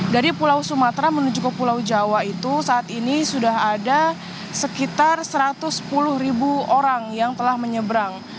dari pulau sumatera menuju ke pulau jawa itu saat ini sudah ada sekitar satu ratus sepuluh ribu orang yang telah menyeberang